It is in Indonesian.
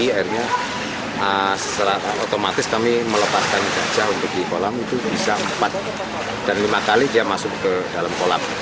akhirnya otomatis kami melepaskan gajah untuk di kolam itu bisa empat dan lima kali dia masuk ke dalam kolam